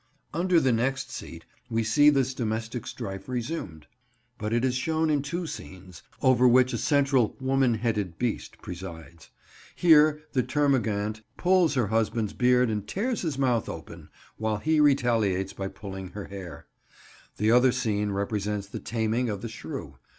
Under the next seat we see this domestic strife resumed, but it is shown in two scenes, over which a central woman headed beast presides. Here the termagant pulls her husband's beard and tears his mouth open, while he retaliates by pulling her hair. The other scene represents the taming of the shrew.